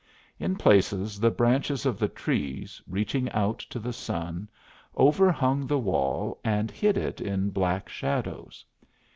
In places, the branches of the trees, reaching out to the sun, overhung the wall and hid it in black shadows.